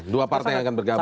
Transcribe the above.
dua partai yang akan bergabung